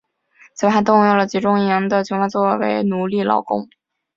此外还动用了集中营的囚犯作为奴隶劳工。